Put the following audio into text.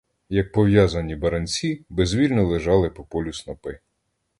Як пов'язані бранці, безвільно лежали по полю снопи.